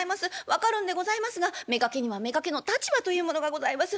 分かるんでございますが妾には妾の立場というものがございます。